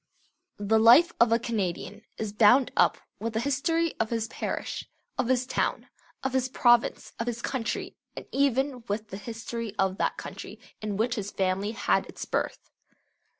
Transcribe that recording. The life of a Canadian is bound up with the history of his parish, of his town, of his province, of his country, and even with the history of that country in which his family had its birth.